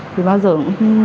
thì bao giờ cũng sát quẩn tay